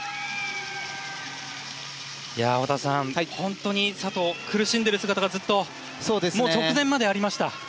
織田さん、本当に佐藤苦しんでいる姿がずっと、もう直前までありました。